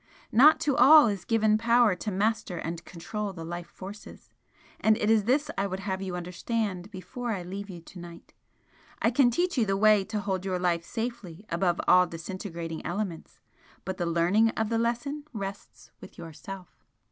Not to all is given power to master and control the life forces and it is this I would have you understand before I leave you to night. I can teach you the way to hold your life safely above all disintegrating elements but the learning of the lesson rests with yourself."